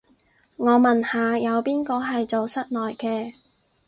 我問下，有邊個係做室內嘅